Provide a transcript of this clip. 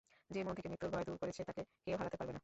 যে মন থেকে মৃত্যুর ভয় দূর করেছে, তাকে কেউ হারাতে পারবে না।